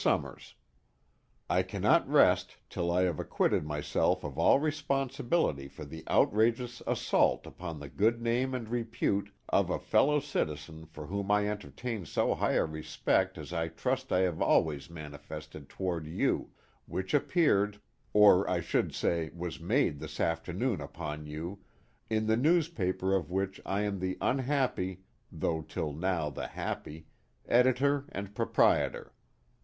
SUMMERS: "I cannot rest till I have acquitted myself of all responsibility for the outrageous assault upon the good name and repute of a fellow citizen for whom I entertain so high a respect as I trust I have always manifested toward you, which appeared or I should say, was made this afternoon upon you in the newspaper of which I am the unhappy, though till now the happy, Editor and Proprietor.